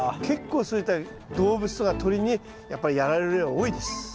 結構そういった動物とか鳥にやっぱりやられる例は多いです。